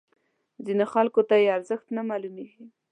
ځینو خلکو ته یې ارزښت نه معلومیږي.